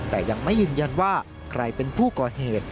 แต่ยังไม่ยืนยันว่าใครเป็นผู้ก่อเหตุ